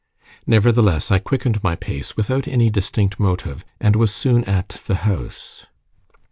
Nevertheless I quickened my pace without any distinct motive, and was soon at the house.